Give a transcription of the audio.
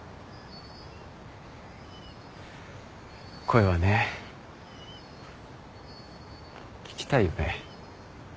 声はね聞きたいよね。